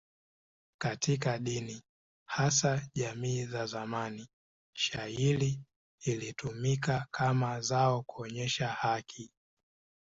Katika dini, hasa jamii za zamani, shayiri ilitumika kama zao kuonyesha haki.